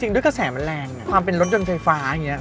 ด้วยกระแสมันแรงไงความเป็นรถยนต์ไฟฟ้าอย่างนี้